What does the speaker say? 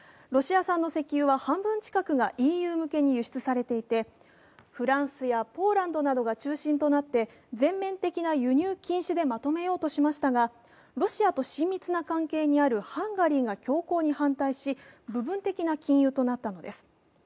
ロシア産の石油は半分近くがＥＵ向けに輸出されていて、フランスやポーランドなどが中心となって全面的な輸入禁止でまとめようとしましたが、ロシアと親密な関係にあるハンガリーが強硬に反対し部分的な禁輸となったのです。